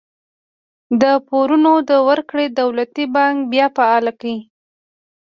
د پورونو د ورکړې دولتي بانک بیا فعال کړ.